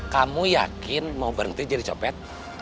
kamu yakin mau berhenti jadi copet